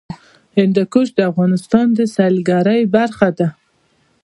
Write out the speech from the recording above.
هندوکش د افغانستان د سیلګرۍ برخه ده.